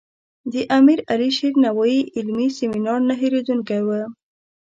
د امیر علي شیر نوایي علمي سیمینار نه هیریدونکی و.